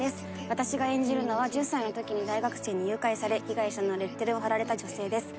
私が演じるのは１０歳のときに大学生に誘拐され被害者のレッテルを貼られた女性です。